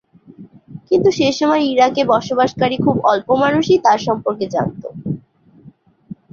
কিন্তু সেসময় ইরাকে বসবাসকারী খুব অল্প মানুষই তার সম্পর্কে জানত।